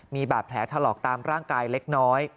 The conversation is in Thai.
มีบาดแผลถลอกตามร่างกายเล็กน้อย